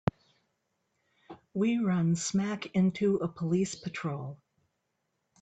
We run smack into a police patrol.